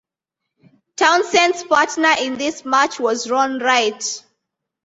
Townsend's partner in this match was Ron Wright.